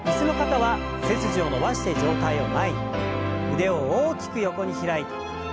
腕を大きく横に開いて。